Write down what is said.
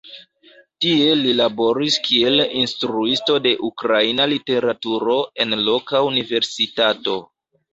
Tie li laboris kiel instruisto de ukraina literaturo en loka universitato.